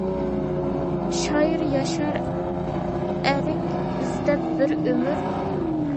شائىر ياشار ئەرك ئىزدەپ بىر ئۆمۈر.